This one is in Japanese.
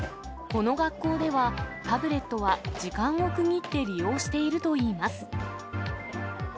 この学校では、タブレットは時間を区切って利用しているといいます。